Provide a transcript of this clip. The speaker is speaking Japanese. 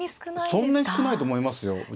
そんなに少ないと思いますよ。